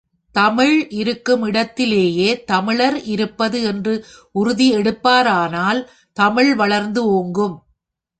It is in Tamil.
தமிழ் இருக்கும் இடத்திலேயே தமிழர் இருப்பது என்று உறுதி எடுப்பாரானால் தமிழ் வளர்ந்து ஓங்கும்.